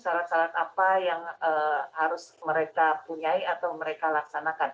syarat syarat apa yang harus mereka punyai atau mereka laksanakan